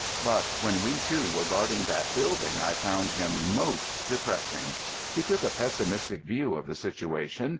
But when we two were guarding that building I found him most depressing. He took a pessimistic view of the situation.